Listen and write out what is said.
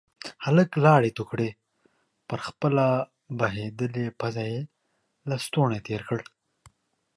هلک لاړې تو کړې، پر خپله بهيدلې پزه يې لستوڼی تير کړ.